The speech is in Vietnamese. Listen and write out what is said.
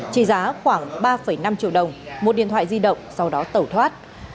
trị giá khoảng ba năm triệu đồng một điện thoại di động sau đó tẩu thoát